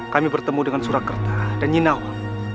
kami bertemu dengan surakerta dan nyinawang